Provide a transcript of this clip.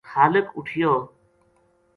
خالق اُٹھیو